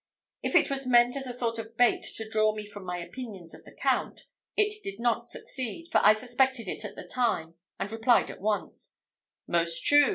If it was meant as a sort of bait to draw from me my opinions of the count, it did not succeed, for I suspected it at the time; and replied at once, "Most true.